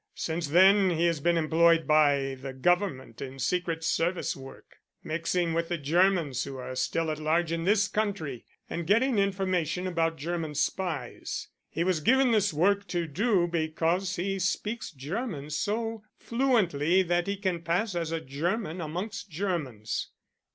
Since then he has been employed by the Government in secret service work: mixing with the Germans who are still at large in this country, and getting information about German spies. He was given this work to do because he speaks German so fluently that he can pass as a German amongst Germans.